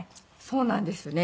そうなんですね。